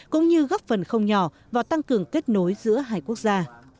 cũng như góp phần không nhỏ vào tăng cường kết nối giữa hai quốc gia